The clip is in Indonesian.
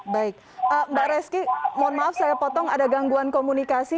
baik mbak reski mohon maaf saya potong ada gangguan komunikasi